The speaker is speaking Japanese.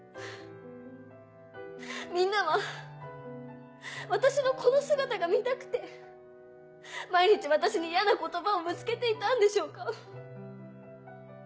みんなは私のこの姿が見たくて毎日私に嫌な言葉をぶつけていたんでしょうか？